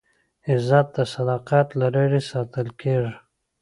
عزت د صداقت له لارې ساتل کېږي.